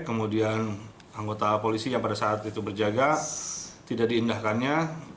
kemudian anggota polisi yang pada saat itu berjaga tidak diindahkannya